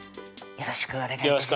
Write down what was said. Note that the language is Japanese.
よろしくお願いします